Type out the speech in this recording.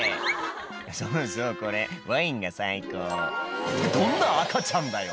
「そうそうこれワインが最高」ってどんな赤ちゃんだよ！